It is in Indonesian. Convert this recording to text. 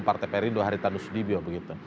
partai perindolp haritha nusyidibio begitu